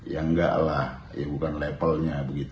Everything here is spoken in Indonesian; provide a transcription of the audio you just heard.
ya nggak lah ya bukan levelnya begitu